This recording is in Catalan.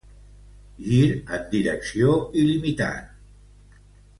Gir en direcció il·limitat.